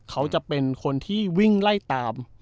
เขาจะเป็นคนที่วิ่งไล่ตาม